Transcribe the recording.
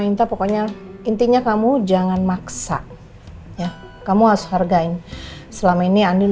inta pokoknya intinya kamu jangan maksa ya kamu harus hargain selama ini andin